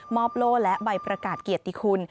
โล่และใบประกาศเกียรติคุณ